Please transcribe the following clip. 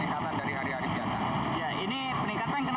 hanya butuh waktu dua jam